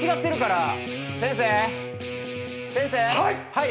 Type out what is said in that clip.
はい！